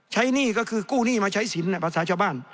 หนี้ก็คือกู้หนี้มาใช้สินภาษาชาวบ้าน